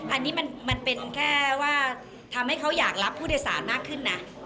อันนี้มันเป็นแค่ว่าทำให้เขาอยากรับผู้โดยสารมากขึ้นนะ